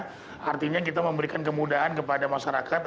jadi itu ya artinya kita memberikan kemudahan kepada masyarakat